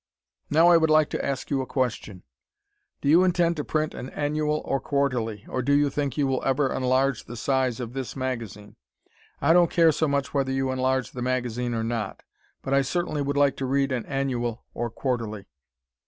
Now I would like to ask you a question. Do you intend to print an Annual or Quarterly, or do think you will ever enlarge the size of this magazine? I don't care so much whether you enlarge the magazine or not, but I certainly would like to read an Annual or Quarterly.